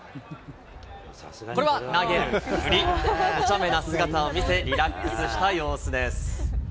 これは投げるふり、おちゃめな姿を見せ、リラックスした様子です。